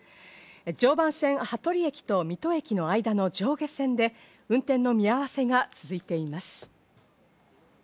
常磐線・羽鳥駅と水戸駅の間の上下線で運転の見合わせが続いています。